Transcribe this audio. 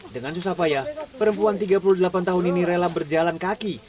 dengan susah payah perempuan tiga puluh delapan tahun ini rela berjalan kaki